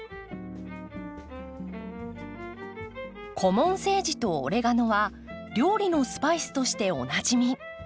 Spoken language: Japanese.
コモンセージとオレガノは料理のスパイスとしておなじみ。